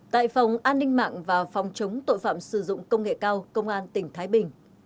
tại phòng an ninh mạng và phòng chống tội phạm sử dụng công nghệ cao công an tỉnh thái bình